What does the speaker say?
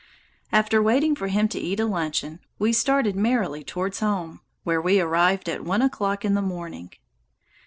After waiting for him to eat a luncheon, we started merrily towards home, where we arrived at one o'clock in the morning.